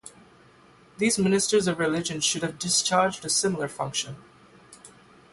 These ministers of religion should have discharged a similar function.